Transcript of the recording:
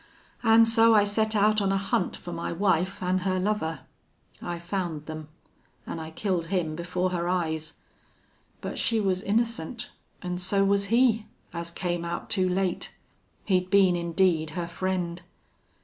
An' so I set out on a hunt for my wife an' her lover. I found them. An' I killed him before her eyes. But she was innocent, an' so was he, as came out too late. He'd been, indeed, her friend.